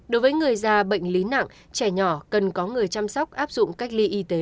đối với người già bệnh lý nặng trẻ nhỏ cần có người chăm sóc áp dụng cách ly y tế